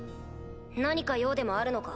何か用でもあるのか？